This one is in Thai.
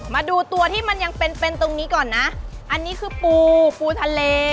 มาดูตัวที่มันยังเป็นเป็นตรงนี้ก่อนนะอันนี้คือปูปูทะเล